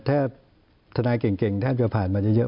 ถาปธนายเก่งถาปจะผ่านมาเยอะ